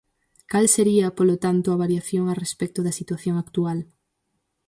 Cal sería, polo tanto, a variación a respecto da situación actual?